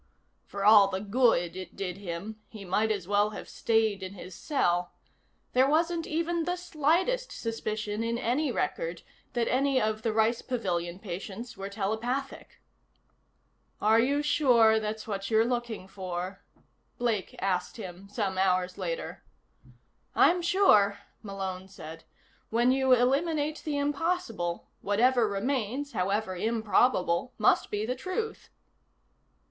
For all the good it did him he might as well have stayed in his cell. There wasn't even the slightest suspicion in any record that any of the Rice Pavilion patients were telepathic. "Are you sure that's what you're looking for?" Blake asked him, some hours later. "I'm sure," Malone said. "When you eliminate the impossible, whatever remains, however improbable, must be the truth."